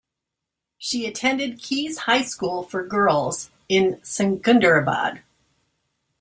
She attended Keyes High school for girls in Secunderabad.